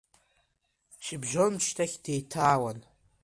Шьыбжьоншьҭахь деиҭаауан.